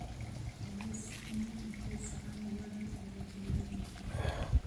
غریب د صبر لوړه درجه لري